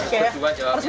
harus berdua jawab